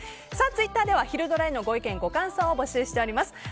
ツイッターではひるドラ！へのご意見、ご感想を募集しております。